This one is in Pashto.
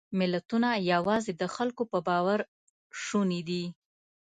ملتونه یواځې د خلکو په باور شوني دي.